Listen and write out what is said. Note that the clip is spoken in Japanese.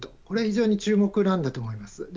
これは非常に注目だと思います。